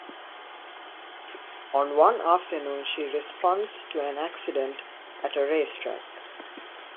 On one afternoon, she responds to an accident at a racetrack.